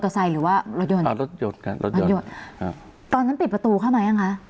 มอเตอร์ไซค์หรือว่ารถยนต์อ่ารถยนต์ค่ะรถยนต์อ่าตอนนั้นปิดประตูเข้ามายังไงฮะ